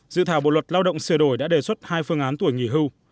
dự thảo bộ luật lao động sửa đổi đã đề xuất hai phương án tuổi nghỉ hưu